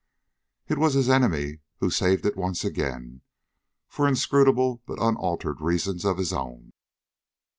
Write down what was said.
It was his enemy who saved it once again, for inscrutable but unaltered reasons of his own.